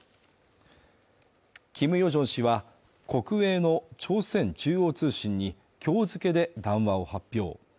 キム・ヨジョン氏は国営の朝鮮中央通信に今日付けで談話を発表。